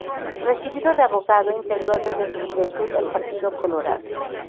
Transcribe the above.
Recibido de abogado, integró desde su juventud el Partido Colorado.